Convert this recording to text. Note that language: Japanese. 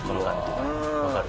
分かる？